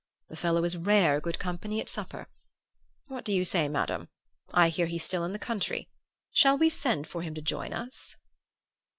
The fellow is rare good company at supper. What do you say, Madam? I hear he's still in the country; shall we send for him to join us?